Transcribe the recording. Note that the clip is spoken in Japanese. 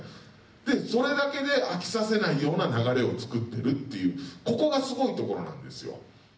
でそれだけで飽きさせないような流れを作ってるっていうここがすごいところなんですよ。